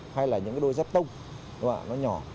hay là những cái đôi giáp tông nó nhỏ